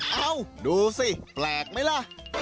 เอ้าดูสิแปลกไหมล่ะ